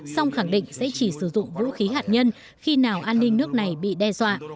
song khẳng định sẽ chỉ sử dụng vũ khí hạt nhân khi nào an ninh nước này bị đe dọa